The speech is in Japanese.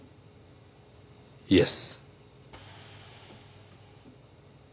イエス。